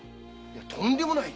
とんでもない！